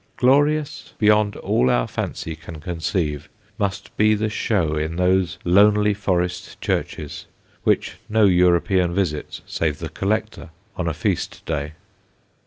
Glorious beyond all our fancy can conceive, must be the show in those lonely forest churches, which no European visits save the "collector," on a feast day.